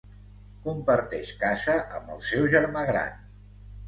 Comparteix casa amb el seu germà gran.